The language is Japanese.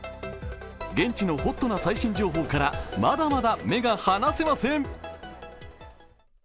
現地のホットな最新情報からまだまだ目が離せません。